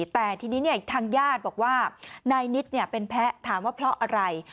แต่ทีนี้ทางญาติบอกว่านายนิดเป็นแพ้ถามว่าเพราะอะไร